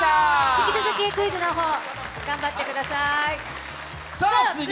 引き続きクイズの方頑張ってください。